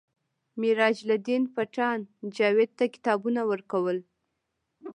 میراج الدین پټان جاوید ته کتابونه ورکول